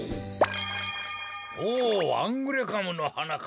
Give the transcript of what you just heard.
おおアングレカムのはなか。